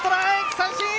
三振！